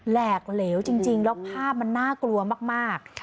แหลกเหลวจริงแล้วภาพมันน่ากลัวมาก